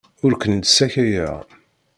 Ur ken-id-ssakayeɣ.